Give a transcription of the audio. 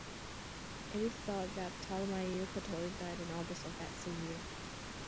It is thought that Ptolemy Eupator died in August of that same year.